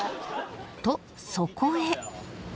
とそこへ